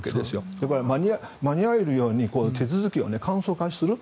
だから、間に合えるように手続きを簡素化する。